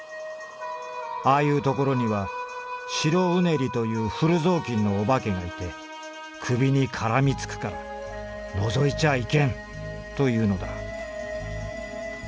ああいうところには『白うねり』という古ぞうきんのお化けがいて首にからみつくから『のぞいちゃあいけん』というのだ」。